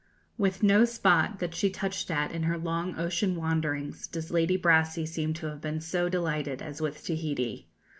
" With no spot that she touched at in her long ocean wanderings does Lady Brassey seem to have been so delighted as with Tahiti.